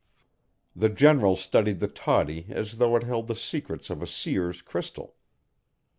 The General studied the toddy as though it held the secrets of a seer's crystal.